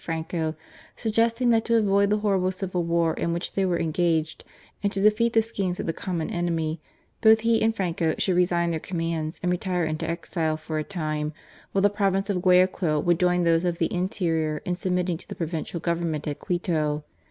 Franco, suggesting that to avoid the horrible civil war in which they were engaged, and to defeat the schemes of the common enemy, both he and Franco should resign their commands and retire into exile for a time, while the province of Guayaquil would join those of the interior in submitting to the Pro visional Government at Quito.